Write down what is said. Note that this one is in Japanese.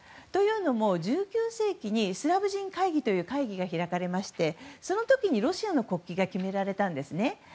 というのも、１９世紀にスラブ人会議という会議が開かれましてその時にロシアの国旗が決められたんですね。